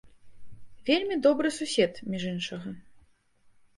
Вельмі добры сусед, між іншага.